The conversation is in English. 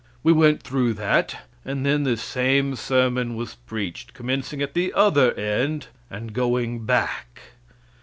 We went through that; and then this same sermon was preached, commencing at the other end, and going back.